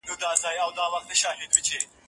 زه مخکي سړو ته خواړه ورکړي وو؟